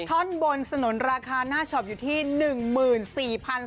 ศพสนหนศนราคาหน้าชอบอยู่ที่หนึ่งหมื่นสี่พัน